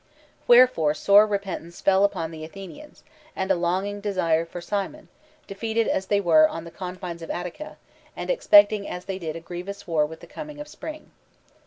Wherefore sore repentance fell upon the Athenians, and a longing desire for Cimon, defeated as they were on the confines of Attica, and expecting as they did a grievous war with the coming of spring.